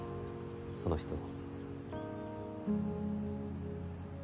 その人は。